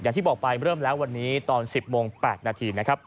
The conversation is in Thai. อย่างที่บอกไปเริ่มแล้ววันนี้ตอน๑๐โมง๘นาทีนะครับ